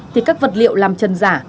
thì các vật liệu làm trần giả